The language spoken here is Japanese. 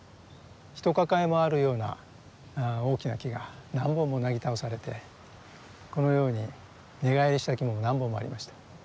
ひと抱えもあるような大きな木が何本もなぎ倒されてこのように根返りした木も何本もありました。